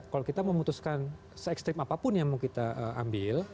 kalau kita memutuskan se ekstrim apapun yang mau kita ambil